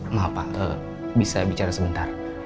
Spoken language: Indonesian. maaf pak bisa bicara sebentar